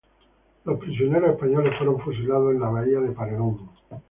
Los prisioneros españoles fueron fusilados en la bahía de Paredón.